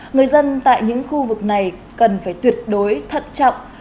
người dân tại những khu vực này cần phải tuyệt đối thận trọng